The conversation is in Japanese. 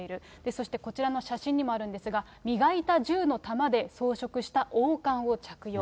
そして、こちらの写真にもあるんですが、磨いた銃の弾で装飾した王冠を着用。